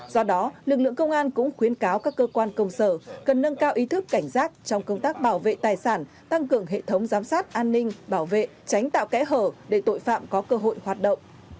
do đó lực lượng công an cũng khuyến cáo các cơ quan công sở cần nâng cao ý thức cảnh giác trong công tác bảo vệ tài sản tăng cường hệ thống giám sát an ninh bảo vệ tránh tạo kẽ hở để tội phạm có cơ hội hoạt động